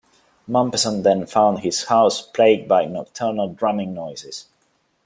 Mompesson then found his house plagued by nocturnal drumming noises.